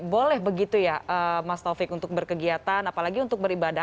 boleh begitu ya mas taufik untuk berkegiatan apalagi untuk beribadah